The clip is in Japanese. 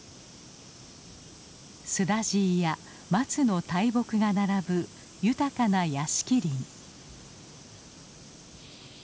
スダジイや松の大木が並ぶ豊かな屋敷林。